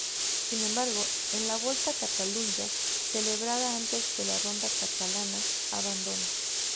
Sin embargo, en la Volta a Catalunya, celebrada antes que la ronda catalana, abandona.